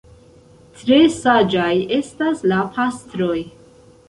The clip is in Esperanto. Tre saĝaj estas la pastroj!